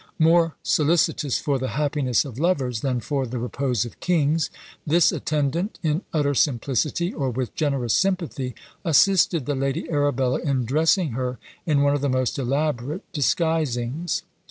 More solicitous for the happiness of lovers than for the repose of kings, this attendant, in utter simplicity, or with generous sympathy, assisted the Lady Arabella in dressing her in one of the most elaborate disguisings.